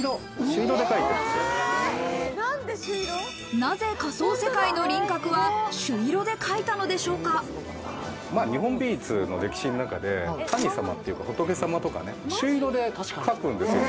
なぜ仮想世界の輪郭は朱色で日本美術の歴史の中で神様っていうか、仏様とかね、朱色で描くんですよ。